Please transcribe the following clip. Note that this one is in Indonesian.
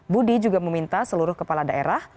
budi juga meminta seluruh kepala daerah